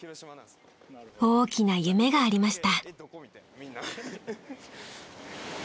［大きな夢がありました］